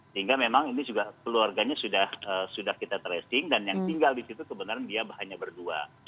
sehingga memang ini juga keluarganya sudah kita tracing dan yang tinggal di situ kebenaran dia bahannya berdua